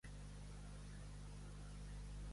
Comptar amb la «o» de sant Joan.